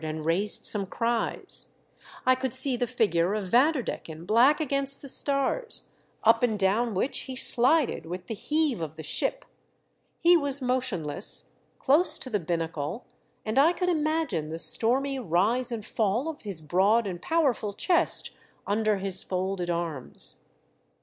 and raised some cries, I could see the figure of Vanderdecken black against the stars, up and down which he slided with the heave of the ship. He was motionless, close to the binnacle, and I could imagine the stormy rise and fall of his broad and powerful chest under his folded arms.